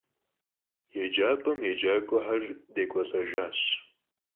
Yêcap'em yêcak'uexer dêk'uelh'ejjaş.